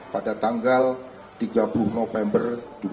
pada tanggal tiga puluh november dua ribu dua puluh